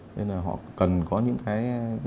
vậy nên là họ cần có những cái